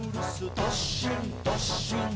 どっしんどっしん」